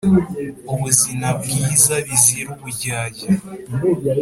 ubuzina bwiza bizira uburyarya.